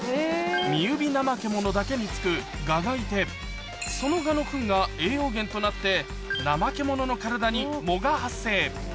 ミユビナマケモノだけにつく蛾がいて、その蛾のふんが栄養源となって、ナマケモノの体に藻が発生。